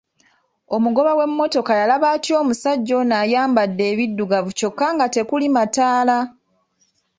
Omugoba w'emmotoka yalaba atya omusajja ono ayambadde ebiddugavu kyokka nga tekuli mataala?